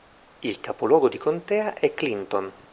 Il capoluogo di contea è Clinton.